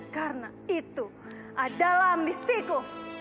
karena itu adalah misi ku